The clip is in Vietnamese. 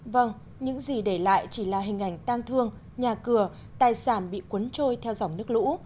vâng những gì để lại chỉ là hình ảnh tang thương nhà cửa tài sản bị cuốn trôi theo dòng nước lũ